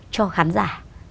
cho khán giả